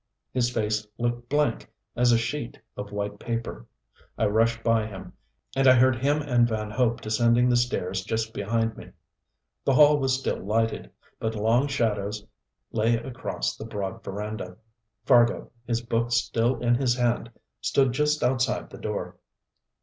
His face looked blank as a sheet of white paper. I rushed by him, and I heard him and Van Hope descending the stairs just behind me. The hall was still lighted, but long shadows lay across the broad veranda. Fargo, his book still in his hand, stood just outside the door.